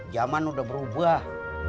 zaman udah berubah